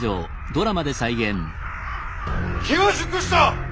機は熟した！